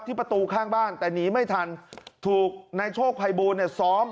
ประตูข้างบ้านแต่หนีไม่ทันถูกนายโชคภัยบูลเนี่ยซ้อม